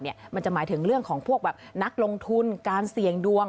มันจะหมายถึงเรื่องของพวกนักลงทุนการเสี่ยงดวง